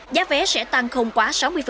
giá vé sẽ tăng không quá sáu mươi